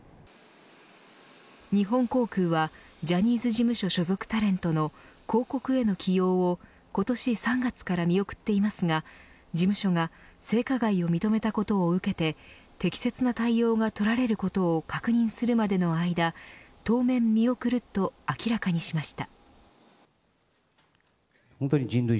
日本航空はジャニーズ事務所所属タレントの広告への起用を今年３月から見送っていますが事務所が性加害を認めたことを受けて適切な対応が取られることを確認するまでの間当面見送ると明らかにしました。